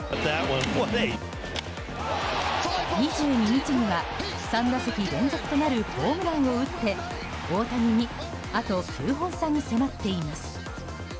２２日には、３打席連続となるホームランを打って大谷にあと９本差に迫っています。